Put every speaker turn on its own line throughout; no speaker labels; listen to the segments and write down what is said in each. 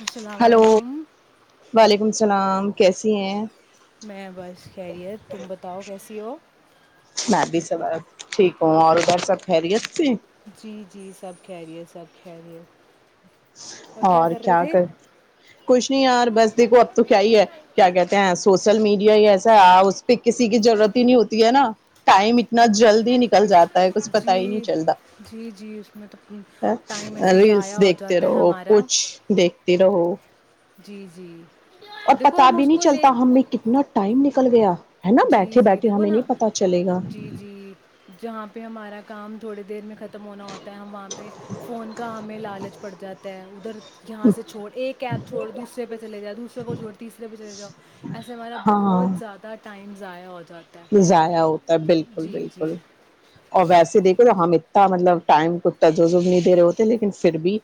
السلام
ہلو
علیکم
وعلیکم السلام کیسی ہیں
میں بس خیریت تم بتاؤ کیسی ہو
میں بھی سب ٹھیک ہوں اور ادھر سب خہریت سے
جی جی سب کہہ رہی ہے سب کہہ رہی ہیں
اور کیا کر کچھ نہیں یار بس دیکھو اب تو کیا ہی ہے کیا کہتے ہیں سوشل میڈیا یہ ایسا آ پ کسی کی ضرورت ہی نہیں ہوتی ہے نا ٹائم اتنا جلدی نکل جاتا ہے کچھ پتا ہی نہیں
جی
چلتا
جی جی اس میں تو ٹائم ایسے
ریلس
ضائع ہو
دیکتے
جاتا ہے
رہو
ہمارا
کچھ دیکھتی رہو ہ [inaudible]
جی جی
اور
دیکھو
پتا
ہم
بھی
اس
نہیں
کو لے
چلتا ہمیں کتنا ٹائم ن نکل گیا ہے نا
جی
بیٹھے
جی
بیٹھے
دیکھو
ہمیں
نا
نہیں پتا چلے گا
جی جی جہاں پہ ہمارا کام تھوڑی دیر میں ختم ہونا ہوتا ہے ہم وہاں پہ فون کا ہمیں لالچ پڑ جاتا ہے ادھر یہاں سے چھوڑ ایک ایپ چھوڑ دوسرے پہ چلے جاؤ دوسرے کو چھوڑ تیسرے پہ چلے جاؤ ایسے ہمارا
ہاں
بہت زیادہ ائم جا ہو جاتا ہے
ضائع ہوتا ہے بالکل
جی
بالکل
جی
اور ویسے دیکھو تو ہم مطلب ٹائم کو تجزب نہیں دے رہے ہوتے لیکن پھر بھی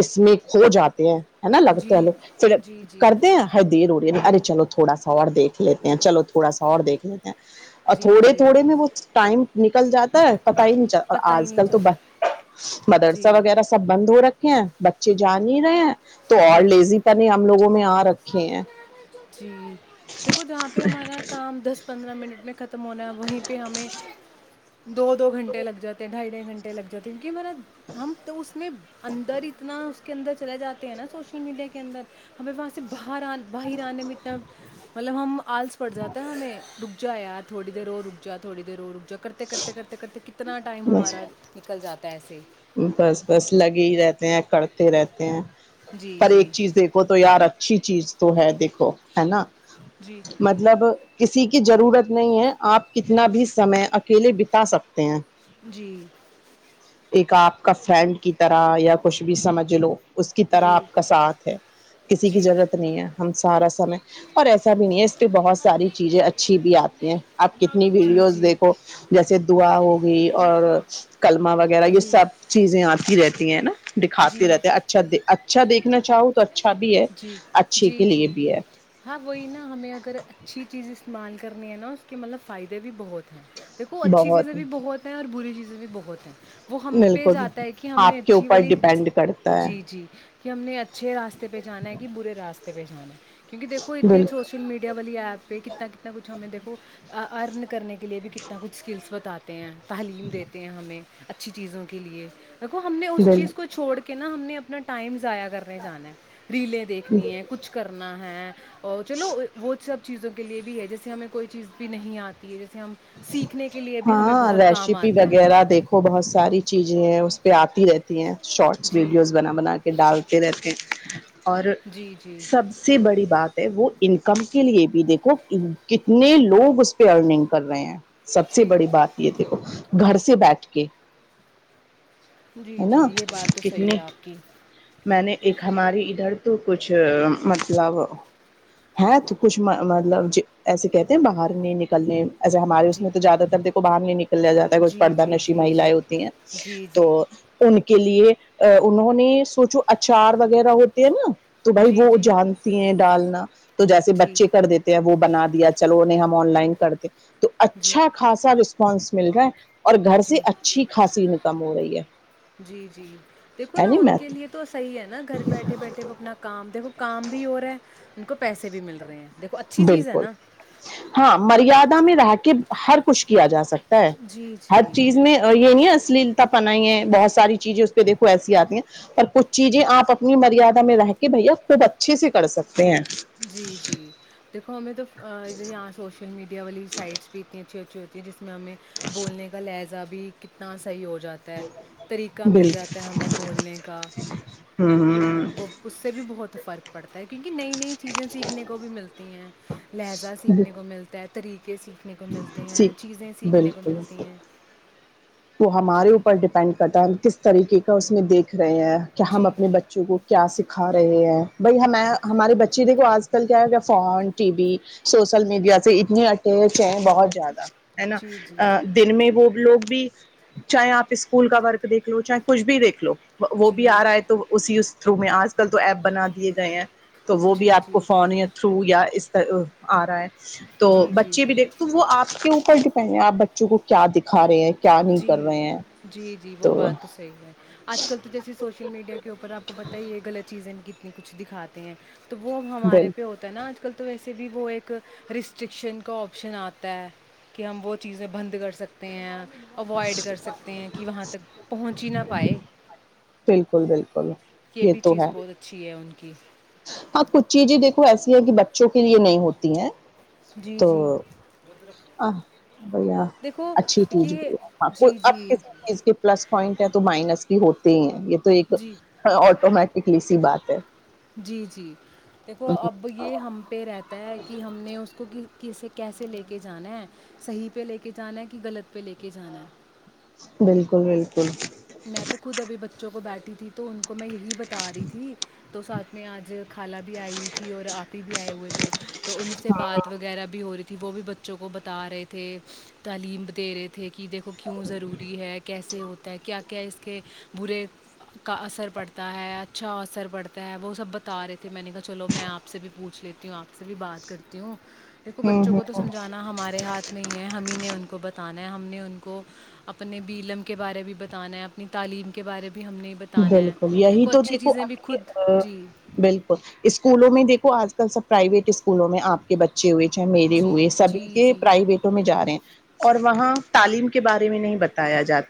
اس میں کھو جاتے ہیں ہےا لگتا ہے
جی
واللو پا
جی جی
کرتے ہیں دیر اڑی ار چلو تھوڑا سا اور دھ لیتے ہیں چلو تھوڑا سا اور دیکھ لیتے ہیں اور
جی
تھوڑے
جی
تھوڑے میں وہ ٹائم نکل جاتا ہے پت ہی نہیں چلتا اور
پتہ ہی
آج
نہیں
کل تو
چل
مدرسہ
جی
وغیرہ سب بند ہو رکھتا بچے جان ہی رہے ہیں تو اور
جی جی
لیزی پنے ہم لوگوں میں آاں رکھ رھے ہیں
جی دیکھو جہاں پہ ہمارا کام دس پندرہ منٹ میں خم ختم ہونا وہیں پہ ہمیں دو دو گھنٹے لگ جاتے ڈھائی ڈھائی گنٹے لگ جاتے کہ میرا ہم تو اس نے اندر اتنا اندر چلے جاتے ہیں نا سوشل میڈیا کے اندر ہمیں وہاں سے باہر آنے باہر آنے میںتب مطلب ہم آلس پڑ جاتا ہے ہمیں ڈ [inaudible] جو کرتے کرتے کرتے کرتے کتنا ٹائم
بس
ہمارا نکل جاتا تیسے
بس بس لگے ہی رہتے ہیں کرتے رہتے ہیں
جی
پر
جی
ایک چیز دیکھو تو یار اچھی چیز تو ہے دیکھو ہے نا
جی
مطلب کسی کی ضرورت نہیں ہے آپ کتنا بھی سمے اکیلے بتا سکتے ہیں
جی
ایک آپ کا فرینڈ کی طرح یا کچھ بھی سمجھ لو اس کی طرح
جی
آپ کا ساتھ ہے کسی کی ضرورت نہیں ہے ہم سارا سمے اور ایسا بھی نہیں ای پھر بہت ساری چیزیں اچھی بھی آتی ہیں آپ کتنی
جی
ویڈیوز دیکھو جیسے دعا ہوگی اور کلملمہ وغیرہ
جی
یہ
جی
سب چیزیں آپ کی رہتی ہیں ہے نا دکھاتے
جی جی
رہتے ہیں اچھا اچھا دیکھنا چاہوں تو اچھا بھی ہے
جی
اچھے
جی
کے لیے
جی
بھی ہے
ہاں وہی نا ہمیں اگر اچھی چیز استعمال کرنی ہے نا اس کے مطلب فائدے بھی بہت ہیں دیکو اچھی چیزیں
بہت
بھی بہت ہیں اور بری چیزیں بھی بہت ہیں وہ ہم پہ ج
بالکل
آاتتا ہے کہ ہم نے
آپ کے
اچھی
اوپر
والی
ڈپینڈ کرتا ہے
جی جی کہ ہم نے اچھے راستے پہ جانا ہے کہ برے راستے ک بھیج میں نے کیونکہ دیکو اتنی
بالکل
سوشل میڈیا والی ایپ پ کتنا کچھ ہمیں دیکو ارن کرنے کے لیے بھی کتنا کچھ اسکلس بتاتے ہیں ت ہیں تعلیم دیتے ہیں ہمیں اچھی چیزوں کے لیے دیکو ہم نے اس چیز کو
بالکل
چھوڑ کے نہا ہم نے نہ ائم ضاع کرنے جانا ہے ریلیں دیکھنی ہے کچھ کرنا ہے ہاں اورو چلو وہ سب چیزوں کے لیے بھی ہے جیسے ہمیں کوئی چیز بھی نہیں آتی ہے جیسے ہم سیکھنے کے لیے بھی ہمیں
ہاں
بہت کام
ریسیپی
آتا ہے
وغیرہ دیکھو بہت ساری چیزیں ہیں پہ آتی رہتی ہیں شارٹس
جی
ویڈیوز بنا بنا کے ڈالتے رہتے ہیں ہ اور
جی جی
سب سے بڑی بات وہ انکم کے لیے بھی دیکھو کتنے لوگ اس پہ ارننگ کر رہے ہیں سب سے
جی
بڑی بات یہ دیکھو گھر سے بیٹھ کے
جی
ہے
جی
نا
یہ بات تو صحیح ہے
کتنی
آپ کی
میں نے ایک ہماری ادھر تو کچھ مطلب ہے تو کچھ مطلب ایسے کہتے ہیں باہر نہیں نکلنے ایسے ہمارے اس
جی
میں تو زیادہ تر دیکھو باہر نہیں نکل لیا جاتا ہے کچھ
جی
پردہ
جی
نشی
جی جی
مہیلائیں ہوتی ہیں
جی
تو
جی
ان کے لیے ا انہوں نے سوچو اچار وغیرہ ہوتے ہیں نا [inaudible] تو بھائی وہ
جی
جانتی ہیں ڈالنا تو جیسے
جی جی
بچے کر دیتے ہیں وہ بنا دیا چلو انیں ہم [inaudible] آن لائن کرتے [inaudible] تو
جی
اچھا خاصا رسپانس [inaudible] مل رہا ہے [inaudible] سے
جی
اچھی خاصی انکم ہو رہی ہے
جی جی دیکھو
ہے
نا
ن
ان
میں
کے لیے تو صحیح ہے نا گھر بیٹھے بیٹھے وہ اپنا کام دیکھو [inaudible] کام بھی ہو رہا ہے ان کو پیسے بھی مل رہے ہیں [inaudible] چیز ہے
بالکل
نا
ہاں مریاد [inaudible] میں رہ کے ہر کچھ کیا جا سکتا
جی
[inaudible] ہر
جی
چیز میں یہ نہیں ہے اصلی [inaudible] پنائی ہے بہت ساری چیزیں اس پہ دیکھو ایسی آتی ہیں پر کچھ چیزیں آپ اپنی مریادا میں رہ کے بھیا خوب اچھے سے کر سکتے ہیں [inaudible]
جی جی [inaudible] دیکو ہمیں تو [inaudible] یہاں سوشل میڈیا [inaudible] والی سائڈ بھی ات اچھی اچھی ہوتی ہے جس [inaudible] ہمیں بولنے کا لہذا [inaudible] بھی کتنا صحیح ہو ج [inaudible] جاتا ہے طریقہ مل
بالکل
جاتا ہے ہمیں بولنے کا
ہ
[inaudible] وہ اس سے بھی بہت فرق [inaudible] پڑھتا ہے بھی [inaudible] نئی نئی چیزیں سیکھنے کو بھی ملتی ہیں لہجا سیکھنے کو ملتا ہے طریقہ [inaudible] یں سیکھنے کو ملتے ہیں
ٹھیک
چیزیں سیکھنے کو
بالکل
ملتی ہیں [inaudible]
وہ ہمارے اوپر ڈیپینڈ کرتا ہے ہم کس طریقے کا اس میں دیکھ [inaudible] رہے ہیں کہ ہم
جی،
اپنے بچوں کو کیا سکھا رہے ہیں بھائی ہمیں ہمارے بچے دیکھو آج [inaudible] کل کیا ہو گ phone T V social media سے اتنے اٹیچ ہیں بہت زیادہ [inaudible] ہے
جی، جی،
نا دن میں وہ لوگ [inaudible] بھی [inaudible] چاہے آپ اسکول کا ورک دیکھ لو چاہے کچھ بھی دیکھ لو [inaudible] وہ بھی
جی،
آ رہا ہے تو اسی [inaudible] تھرو میں آج کل تو ایپ بنا دیے گئے ہیں [unintelligible] تو وہ بھی
جی،
آپ کو
جی،
فون تھرو یا اس [unintelligible] آ رہا ہے [unintelligible] تو
جی، جی۔
بچے بھی دیکھ تو وہ آپ کے اوپر [unintelligible] پر ڈیپینڈ ہے آپ بچوں کو کیا دکھا رہے ہیں کیا نہیں
ہ
کر رہے ہیں
جی جی وہ
تو
بات صحیح ہے آج کل تو جیے سوشل میڈیا کے اوپر آپ کو پتا ہی یہ غط چیز ہے کی اپنے کچھ دکھاتے ہیں تو وہ اب ہمارے
بل
پہ ہوتا ہے نا آج کل تو ویسے بھی وہ ایک رسٹرکشن کا آپشن آتا ہے کہ ہم وہ چیزیں بند کر سکتے ہیں اوائڈ کر سکتے ہیں کہ وہاں تک پہنچ ہی نہ پائے
بالکل بالکل
یہ بھی
تو
چیز
ہے
بہت اچھی ہے ان کی کی
ہاں کچھ چیزیں دیکو ایسی ہے کہ بچ بچوں کے لیے نہیں ہوتی ہیں
جی،
تو
جی،
بھیا
دیکھو
اچھی چیز
یہ
بھی ہ کوئی
جی،
اب
جی،
کسی چیز کے پلس پوائنٹ ہے تو مائنس ہوتی ہیں یہ تو ایک
جی۔
آٹومیٹکلی سی بات ہے
جی جی دیکھو اب یہ ہم پہ رہتا ہے کہ ہم نے اس کو کس کیسے لے کے جانا ہے صحیح پہ لے کے جانا ہے کہ غلط پہ لے کے جانا ہے
بالکل بالکل
میں تو خود ابھی بچوں کو بیٹھی تھی تو ان کو میں یہی بتا رہی تھی تو ساتھ میں آج کھالا بھی ائی ہوئی تھی اور اپی بھی ائی ہوئی کہ تو انہیں سے بات وغیرہ بھی ہو رہی تھی وہ بھی بچوں کو بتا رہے تھے تعلیم دے رہے تھے کہ دیکھو کیوں ضروری ہے کیسے ہوتا ہے کیا کیا اس کے برے کا اثر پڑتا ہے اچھا اثر پڑتا ہے وہ سب بتا رہے تھے میں نے کہا چلو میں آپ سے بھی پوچھ لیتی ہوں آپ سے بھی بات کرتی ہوں دیکھو
ہ
بچوں کو تو
ہ
سمجھانا ہمارے ہاتھ نہیں ہے ہم ہی نے ان کو بتانا ہے ہم نے ان کو اپنے بیلم کے بارے بھی بت تانا ہے اپنی تعلیم کے بارے میں
بالکل یہی تو دیکھو
بھی خود
اپنے
جی
بالکل اسکولوں میں دیکھو آج کل سب پرائیویٹ اسکولوں میں آپ کے بچے بچے ہوئے چاہے میرے
جی
ہوئے سبھی
جی
کے
جی
پرائیویٹوں میں جا رہے ہیں اور وہاں تعلیم کے بارے میں نہیں بتایا جاتا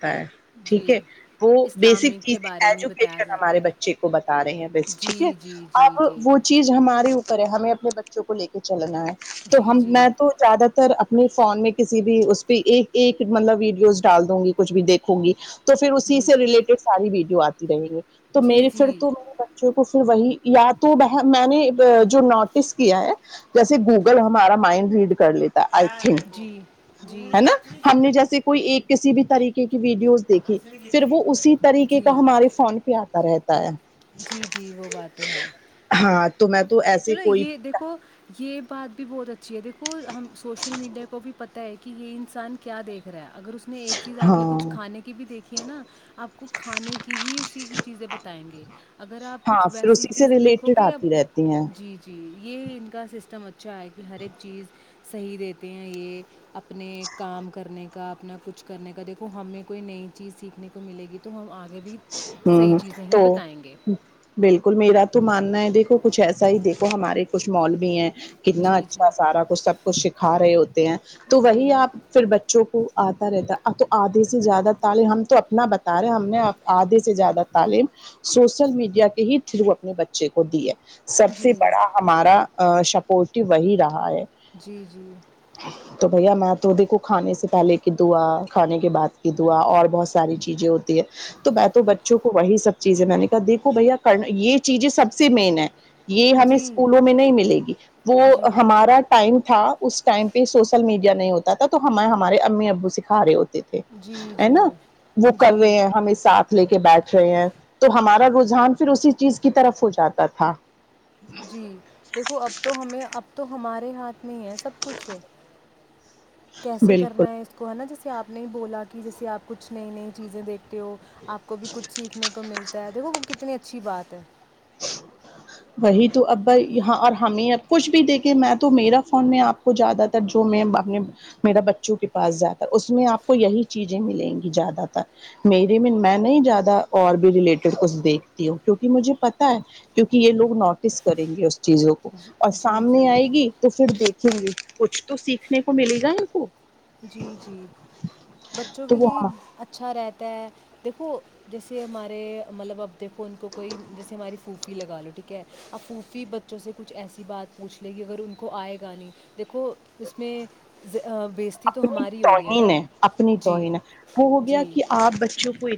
جی
ٹھیک ہے وہ بیسک
اسلامک کے
چیزیں
بارے میں بتایا
ایجوکیشن
جاتا
ہمارے بچے کو بتا رہے ہیں بیسٹ ٹھیک ہے
جی جی جی
اب
جی
وہ چیز ہمارے اوپر ہے ہمیں اپنے بچوں کو لے کے چلنا ہے تو
جی
ہم
جی
میں تو زیادہ تر اپنے فون میں کسی بھی اس پہ ایک ایک مطلب ویڈیوز ڈال دوں گی کچھ بھی دیکھوں گی تو پھر اسی
جی
سے ریلیٹیڈ ساری ویڈی ات ج دیںے تو
جی
میرے پھر
جی
تو میرے بچوں کو وہی یا تو میں نے جو نوٹس کیا ہے جیسے گوگل ہمارا مائنڈ ریڈ کر لیتا آئی تھنک
جی جی
ہے نا
پرارتھنا کی
ہم نے
تھی
جیسے کوئی ایک کسی بھی طریقے کی ویڈیوز دیکھی
آسن کی
پھر
تھی
وہ اسی طریقے کا
جی
ہمارے سون پہ آتا رہتا ہے
جی جی وہ بات تو ہے
ہاں تو میں تو ایسے
چلو
کوئی
یہ دیکھو یہ بات بھی بہت اچھ جی دیکھو ہم سوشل میڈیا کو بھی پتتا ہے کہ یہ انسان کیا دیکھ رہا ہے اگر اس نے ایک چیز آپ نے
ہاں
کچھ کھانے کی بھی دیکھ ہے نا آپ کو کھانے کی ہی اسی چیزیں بتائیں گے اگر آپ
ہاں
کچھ
پھر
ویسی
اسی سے
چیزیں دیکھو
ریلیٹڈ
گے
آتی رہتی ہیں
جی جی یہ ان کا سسٹم اچھا ہے کہ ہر ایک چیز صحیح دیتے ہیں یہ اپنے کام کرنے کا اپنا کچھ کرنے کا دیکھو ہمیں کوئی نئی چیز سیکھنے کو ملے گی تو ہم آ
ہ تو
گے
بالکل میرا تو ماننا ہے دیکھو کچھ ایسا ہی دیکھو ہمارے کچھ مال بھی ہیں کتنا
جی جی
اچھا سارا کچھ سب کچھ سکھا رہے ہوتے ہیں تو
جی
وہی آپ پھر بچوں کو آتا رہتا اب تو آدھھی سے زیادہ تعلیم ہم تو اپنا بتا رہے ہم نے آدھے سے زیادہ تعلیم سوشل میڈیا کے ہی تھرو اپنے بچے کو دی ہے سب سے
جی
بڑا ہمارا شپورٹو وہی رہا عا ہے
جی جی
تو بھیا میں تو دیکھوں کھانے سے پہلے کی دعا کھانے کے بعد کی دعا اور بہت ساری چیزیں ہوتی ہے تو میں تو بچوں کو وہی سب چیزیں میں نے کہا دیکھو بھیا کر یہ چیزیں سب سے مین ہے یہ ہمیں
جی
اسکولوں میں نہیں ملے گی وہ
جی
ہمارا ٹائم تھا اس ٹائم پہ سوشل میڈیا نہیں ہوتا تھا تو ہمیں ہمارے امی ابو سکھا رہے ہوتے تے
جی
تھے ہے نہ
جی
وہ کر رہے
جی
ہیں ہم ساتھ لے کے بیٹھ رہے ہیں تو ہمارا رجحان پھر اسی چیز کی طرف ہو جاتا تھا
جی دیکھو اب تو ہمیں اب تو ہمارے ہاتھ نہیں ہے سب کچھ کیسے کرنا
بالکل
ہے اس کو ہے نہ جیس کہ آپ نے بولا کہ جیسے آپ کچھ نئی نئی چیزیں دیکھ تے ہو آپ کو بھی کچھ سیکھنے کو ملتا دیکھو وہ کتنی اچھی بات ہے
وہی تو ابا یہاں اور ہمیں اب کچھ بھی دیکھیں میں تو میرا فون میں آپ کو زیادہ تر جو میں اپنے میرا بچوں کے پاس جاتا اس میں آپ کو یہی چیزیں ملیں گی زیادہ تر میرے میں میں نہیں زیادہ اور بھی ریلیٹڈ کچھ دیکھتی ہوں کیوںکہ مجھے پ تا ہے کیونکہ یہ لوگ نوٹس کریں گے اس چیزوں کو
جی
اور
جی
سامنے
جی
آئے گی تو پھر دیکھ کچھ تو سیکھنے کو ملے گا ان کو
جی جی بچوں کے
تو وہ
لیے اچھا رہتا تو دیکھو جیسے ہمارے مطلب اب دیکھو ان کو کوئی جیسے ہماری پھو فی لگا لو ٹھیک ہے اب پھوپی بچوں سے کچھ ایسی بات پوچھ لے کہ اگر ان کو آئے گا نہیں دیکھو اس میں بے عز
اپنی توہین ہے اپنی توہین ہے وہ ہو گیا
جی
کہ آپ بچوں کو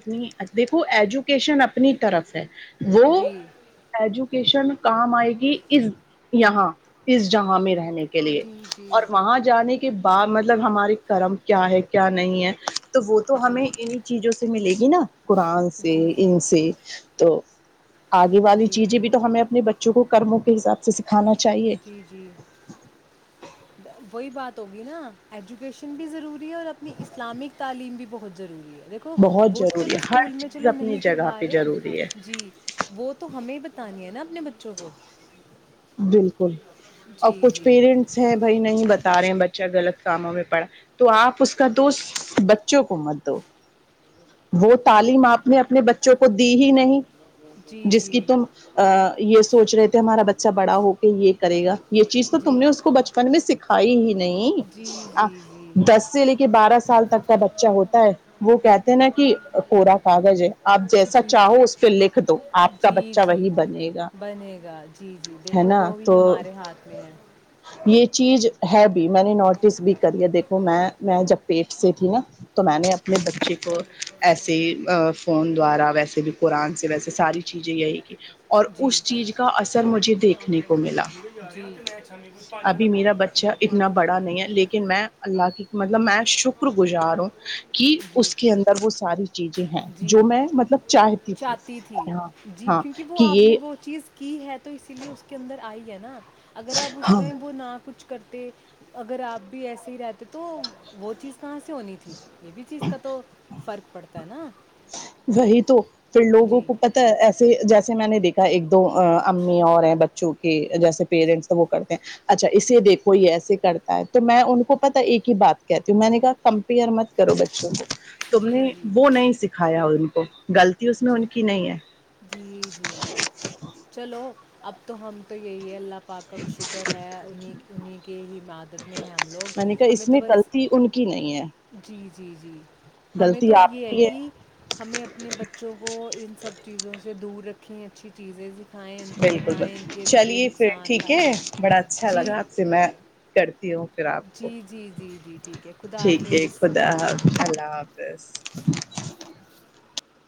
دیکھو ایجوکیشن اپنی طرف ہے وہ
جی
ہوتا ہے جو ٹیوشن کام آئے گی اس یہاں اس جہاں میں رہنے کے لیے
جی جی
اور وہاں جانے کے کہ بعد مطلب ہمارے کرم کیا ہے کیا نہیں ہے تو وہ تو
جی
ہمیں انہیں چیزوں سے ملے گی جی نہ قرآن سے
جی جی
ان سے تو آگے والی
جی
چیزیں بھی تو ہمیں اپنے بچے کرموں کے حساب سے سکھانا چاہیے
جی جی وہی بات ہوگی نا ایجوکیشن بھی ضروری اور اپنی اسلامک تعلیم بھی بہت بہتضروری ہے دیکھو
بہت
وہ
ضروری
چلو
ہے ہر
اسکول میں
چیز
چلو
اپنی
نہیں
جگہ
کروا
پہ
رہے
ضروری ہے
جی وہ تو ہمیں ہی بتانی ہے نا اپنے بچوں کو
بالکل
جی
اب کچھ
جی
پیرنٹس ہیں بھائی نہیں بتا رہے ہیں بچے اچھا غلط کاموں میں پڑا تو آپ اس کا دوست بچوں کو مت دو وہ تعلیم آپ نے اپنے بچوں کو دی ہی نہیں
جی
جس کی
جی
تم یہ سوچ رہے تھے ہمارا ب ڑا ہو کے یہ کرےا یہ چیز تو تم
جی
نے اس کو بچپن میں سکھائی ہی
جی جی جی
نہیں دس سے لے کے بارہ سال تک کا بچہ ہوتا ہے وہ کہتے ہیں نا کہ کوورا کاغذ ہے آپ جیسا
جی
چاہو اس پہ لکھ دو آپ کا
جی
بچہ
جی
وہی بنے گا
بنے گا جی جی
ہے
دیکھو
نا
وہ بھی
تو
ہمارے ہاتھ میں ہے
یہ چیز ہے بھی میں نے نوٹس بھی کر ہے دیکھو میں میں جب پیٹ سے تھی نا تو میں نے اپنے بچے کو ایسے فون دوارا ویسے بھی قرآن سے ویسے ساری چیزیں یہی کی اور
جی
اس چیز کا اثر مجھے دیکھنے کو ملا ابھی میرا بچہ اتنا بڑا نہیں ہے لیکن میں اللہ کی مطلب میں شکر گزار ہوں کہ
جی
اس کے اندر وہ ساری چیز جی ہیں جو
جی
میں مطلب چاہتی تھی ہاں
جی
ہاں
کیونکہ وہ
کہ
آپ نے
یہ
وہ چیز کی ہے تو اسی لیے اس کے اندر آئی ہے نا اگر آپ اس
ہاں
ائم وہ نہ کچھ کرتے اگر آپ بھی ایسے ہی رہتے تو وہ چیز کہاں سے ہونی تھی یہ بھی چیز کا تو فرق پڑا نا
وہی تو پھر لوگوں
جی
کو پتا ایسا جیسے میں نے دیکھا ایک دو امی اور ہیں بچوں کے جیسے پیرنٹس وہ کرتے ہیں اچھا اسے دیکھو یہ ایسے کرتا ہے تو میں ان کو پتا ایک ہی بات کہتی ہوں میں نے کہا کمپیئر مت کرو بچوں کو تم نے
جی جی
وہ نہیں سیکھا [inaudible]
جی جی جی چلو اب تو ہم تو یہی ہے اللہ پاک کا شکر ہے انہیں انہیں کے ہی عادت میں ہیں ہم لوگ
میں نے کہا
ہمیں
اس
تو
میں
بس
غلطی ان کی نہیں ہے
جی جی جی ہمیں
غلطی
تو اب
آپ
یہ ہے
کی
کہ ہمیں اب نی بت [inaudible] بچوں کو ان سب چیزوں سے دور رکھیں اچھی چیزیں سکھائیں، ان کو
بالکل
بتائیں ان کے
بالکل
اچھے
چلیے پھر
نقصان،
ٹھیک ہے
فائدے۔
بڑا اچھا
جی،
لگا آپ سے میں کرتی ہوں پھر آپ کو
جی، جی، جی، جی، ٹھیک ہے، خدا
ٹھیک ہے
حافظ۔
خدا حا اللہ بس [inaudible]